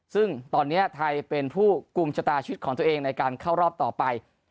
ซึ่งตอนนี้ไทยเป็นผู้กลุ่มชะตาชีวิตของตัวเองในการเข้ารอบต่อไป